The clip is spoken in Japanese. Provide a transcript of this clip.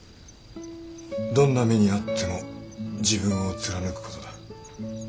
どんな目に遭っても自分を貫くことだ。